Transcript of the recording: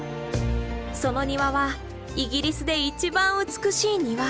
その庭はイギリスで一番美しい庭。